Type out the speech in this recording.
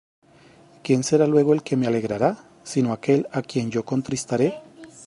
¿quién será luego el que me alegrará, sino aquel á quien yo contristare?